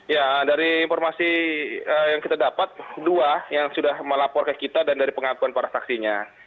ya dari informasi yang kita dapat dua yang sudah melapor ke kita dan dari pengakuan para saksinya